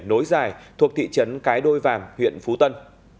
nối dài thuộc thị trấn cái đôi vàm huyện phú tân